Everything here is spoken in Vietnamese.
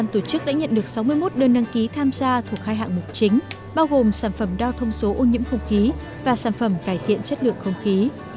tổ chức đã nhận được sáu mươi một đơn đăng ký tham gia thuộc hai hạng mục chính bao gồm sản phẩm đao thông số ô nhiễm không khí và sản phẩm cải thiện chất lượng không khí